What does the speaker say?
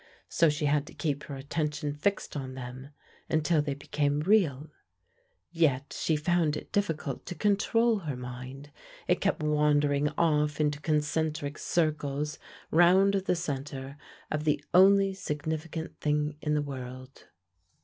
So she had to keep her attention fixed on them, until they became real. Yet she found it difficult to control her mind: it kept wandering off into concentric circles round the center of the only significant thing in the world.